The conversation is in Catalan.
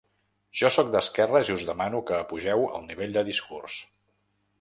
Jo sóc d’esquerres i us demano que apugeu el nivell de discurs.